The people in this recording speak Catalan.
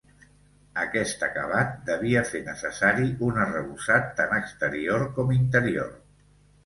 Aquest acabat devia fer necessari un arrebossat tant exterior com interior.